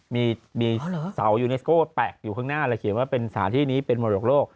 มีเสายูเนสโก้แตกอยู่ข้างหน้าและเขียนว่าเป็นสถานที่นี้เป็นมรดกโลก